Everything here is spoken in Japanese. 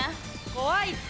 怖いって。